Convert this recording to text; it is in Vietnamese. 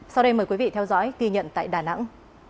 sau đây mời quý vị theo dõi ghi nhận tại đà nẵng